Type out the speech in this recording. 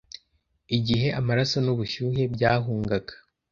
Igihe amaraso n'ubushyuhe byahungaga;